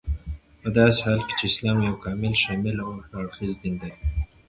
پداسي حال كې چې اسلام يو كامل، شامل او هر اړخيز دين دى